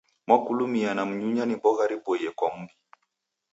Maklumia na mnyunya ni mbogha riboie kwa m'mbi.